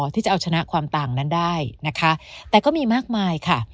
ที่จะเอาชนะความต่างนั้นได้นะคะแต่ก็มีมากมายค่ะ